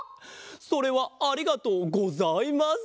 それはありがとうございます！